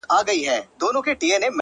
ستا د ښکلا په تصور کي یې تصویر ویده دی ـ